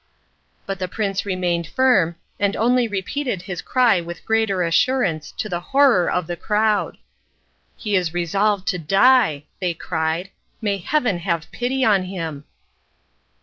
But the prince remained firm, and only repeated his cry with greater assurance, to the horror of the crowd. "He is resolved to die!" they cried; "may heaven have pity on him!"